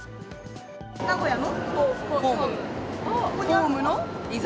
名古屋の？